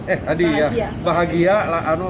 eh hadiah bahagia